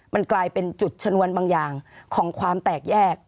มันกลายเป็นจุดชนวนบางอย่างของความแตกแยก